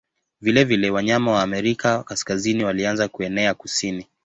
Vilevile wanyama wa Amerika Kaskazini walianza kuenea kusini.